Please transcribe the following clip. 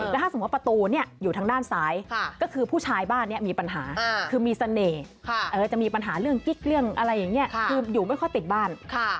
แล้วถ้าสมมุติประตูอยู่ทางด้านซ้ายก็คือผู้ชายบ้านนี้มีปัญหาคือมีเสน่ห์จะมีปัญหาเรื่องกิ๊กเรื่องอะไรอย่างนี้คืออยู่ไม่ค่อยติดบ้าน